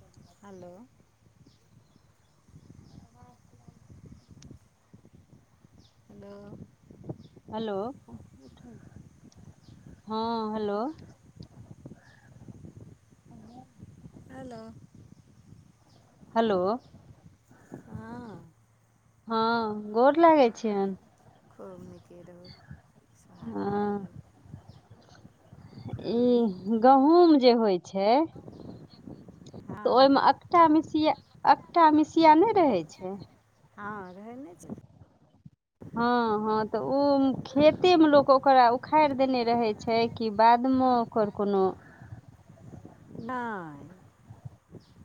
धन्य [unintelligible] हलो अबाज hello hello हँ हेलो हेलो हेलो हँ हँ गोर लागै छियैन। खूब निके रहु सुहाग बती हँ रहु। ई गहुँम जे होइ छै तऽ हँ ओहिमे अक अकटा मिसिया अकटा मिसिया नै रहै छै? हँ रहै ने छै। हँ। हँ तऽ ओ खेते में लोक ओकरा उखैड़ देने रहै छै कि बादमे ओकर कोनो? नै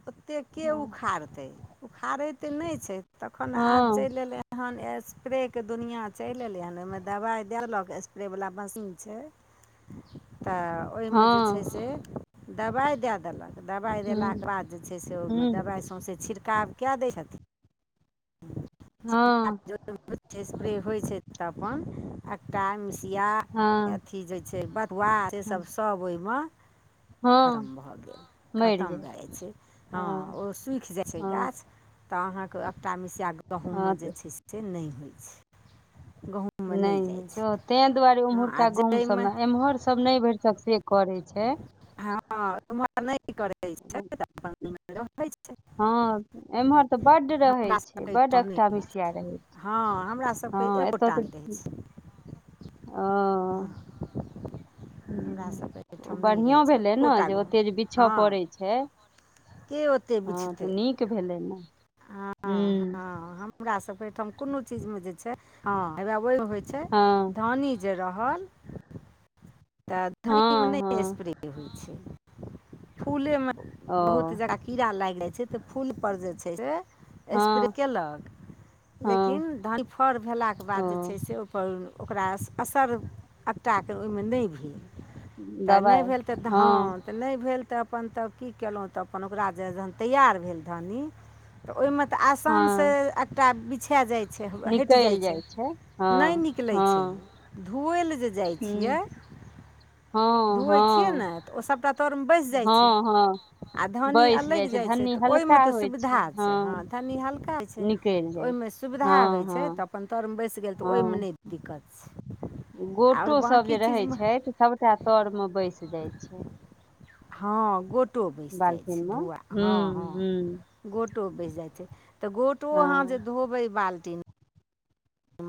ओतेक के हँ उखाड़ तै उखाड़ै तऽ नै छै तखन आब हँ चैल एलै। एहन स्प्रेके दुनिआँ चैल एलै हन ओयमे दवाइ देलक स्प्रेवला मशीन छै। तऽ ओय मे जे छै हँ से। दबाइ दै देलक दवाइ हूँ देलाके बाद जे छै से ओयमे हूँ दबाइ सौँसै छिड़काव केए दै छथिन। हँ [unintelligible] स्प्रे होइ छै तऽ अपन। अकटा मिसिया हँ अथी जे छै बथुवआ से हँ सब -सब ओहिमे हँ, खत्म भऽ गेल खत्म भए जाइ छै हँ ओ सूइख जाइ छै हँ गाछ। तऽ अहाँके अकटा मिसया गहुँम हँ में तऽ जे छै से नै होय छै गहुँम। नै होय छै तेंह दुआरे ओम्हरका आओर गहुूँम जाहिमे सबमे एम्हरसब नै भरिसक से करै छै? हँ एम्हर नै करै छै तऽ रहै छै। हँ एम्हर तऽ बड्ड रहे हमरा छै सबके बड अइठाम अकटा नहि होइ छै मसिया रहै छै। हँ हमरा सब के हँ एतऽ एकटा तऽ दै छै। ओ हँ। हमरा सबके एहिठाम नै रहै बढ़िआँ छै भेलै ने एक्कोटा जे नै ओते जे बिछऽ हँ। पड़ै छै के ओते बिछतेै। के भेलै ने हूँ। हमरा सब के ठाम कोनो चीज में जे छै ह हे ओहि मे होय छै हँ धनी जे रहल [unintelligible] त धनी में हँ नइ हे हँ स्प्रे [unintelligible] फूलमे ओ बहुत जादा कीड़ा लागि जाइ छै तऽ फूल पर जे। छै से स्प्रे हँ केलक हँ लेकिन धान फर भेलाके ओ बाद जे छै से पर ओकरा अस असर अकटा के ओहिमे नहि भेल। तऽ नहि दबाइ भेल तऽ हँ धानहँ तऽ नहि भेल तऽ अपन तब की कयलहुँ तऽ अपन ओकरा जे जहन तैआर भेल धन्नी तऽ ओहि मे तऽ आसान से हँ अकटा बिछा जाय छै हटि जाइ छै नहि निकलै हँ छै धोअै लए जे जाइ हूँ छियै। हँ धोैए छियै हँ ने तऽ ओ सभटा तर मे बैस जाइ छै हँ हँ आ धनी बैस अलगि जाइ छै धन्नी तऽ हल्का ओहिमे तऽ होइ छै सुविधा हँ धन्नी हल्का छै निकलि तऽ जाइ ओहिमे छै सुविधा हँ होइ छै तऽ हँ अपन तरमे बैसि गेल तऽ ओहिमे हँ नहि दिकत छे। गोटो सभ जे रहैत छै तऽ सभटा तरमे बैस जाइत छै‌। हँ गोटो बैसि जाइ बाल्टीन छै मे धुआँ हँ हूँ हूँ हँ गो बैस जाइत छै‌ त गोटो आँह जे हँ धोबे बाल्टी में।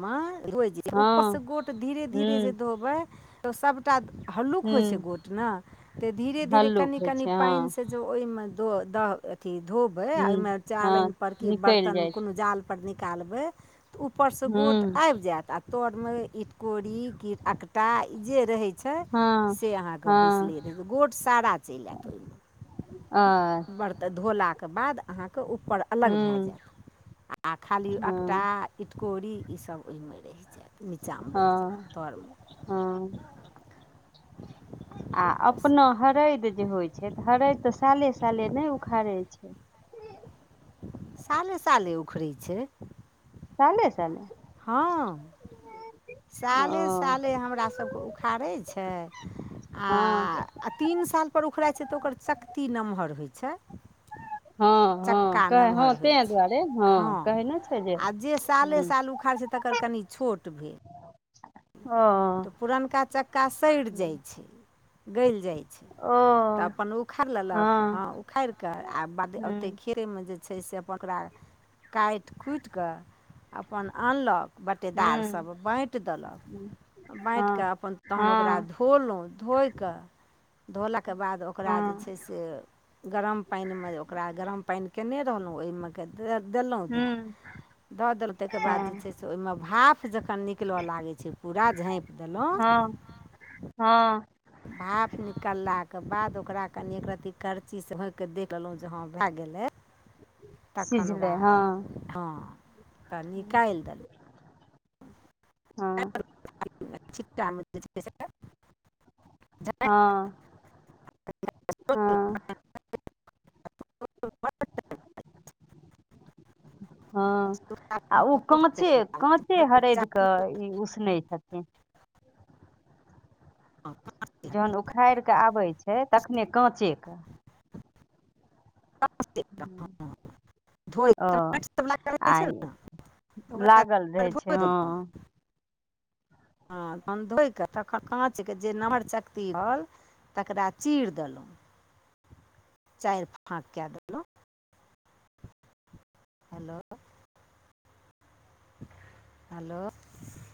मे धोइ जतै ऊपरसँ हँ गोट धीरे धीरे जे हूँ धोबै तऽ सबटा हल्लुक होइ छै हूँ गोट ने तऽ धीरे धीरे हल्लुक कनि होइ कनि छै पाइन हँ स वही में ज ओहिमे दह अथी धोबै हूँ ओहिमे हँ चालनि पर क निकलि बर्तन जाइ में छै कोनो जाल पर निकालबै। ऊपर से गोट हूँ आबि जायत आ तर मे इटकोरी ककटा जे रहै छै। छै हँ से अहाँकेँ बैस हँ लैत रह गोट सारा चलि आएत आ ओहिमे बरत धोलााक के बाद अहाँके उऊपर अलग भए हूँ जायत आओ खाली एकटा हँ इटकोरी ईस ओहिमे रहि जायत नीचाँमे रहि हँ जायत तरमे हँ आ तऽ अपना हरदि जे होइत छै तऽ हरदि तऽ साले साले नहि उखाड़ै छै। साले साले उखड़ै छै? साले साले हँ साले ओ साले हमरा सबके उखाड़ै छै। हँ आ तीन साल परर उखड़इत छै तऽ ओकर चक्ति नमहर होइत छै। हँ हँ चक्का कह हँ नमहर होइ तें दुआरे छै हँ कहै ने छै आ जे साले हूँ साल उखाड़ै छै त तकर कनि छोट भेल। ओ तऽ पुरनका चक्का सड़ि जाइ छै। गलि जाइ छै ओ तऽ अपन उखाड़ि लेलक हँ उखाड़ि कऽ आ बाद ओतेक हूँ खेरमे जे छै से अपन ओकरा काटि खुटिकऽ अपन आनलक बटेदारसभ हूँ बाँटि देलक। बाँटि कऽ हँ अपन तहन ओकरा हँ धोलहुँ धोए कऽ धोलाके बाद ओकरा जे हँ छै से गरम पानिमे ओकरा गरम पानि कयने रहलहुँ ओहिमे क द देलहुँ धए। हूँ दऽ देलहुँ ताहिके बाद जे हँ छै से ओहिमे भाफ जखन निकलय लागैत छै। क झाँपि देलहुँ। हँ हँ भाप निकललाक के बाद ओकरा कनी एक रत्ती करची से होकके देख लेलहुँ जे हँं भए गेलै। तखन सिझलै ओकरा हँ हँ तऽ निकालि देलहुँ। हँ [unintelligible] हँ। हँ हँ आ ओ काँचे काँचे हरदि कऽ ई उसने छथिन। हँ। जहन उखाड़ि के आबै छै तखने काँचे क। ओ आ [unintelligible] लागल ओकरा रहै छै धोइ हँ। हन धोयके तखन काँचके जे नमर चक्ती होल। तकरा चीर देलहुँ चारि फाँक कए देलहुँ। हेलो। हेलो।